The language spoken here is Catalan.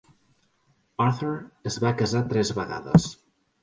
Arthur es va casar tres vegades.